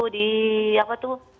di apa tuh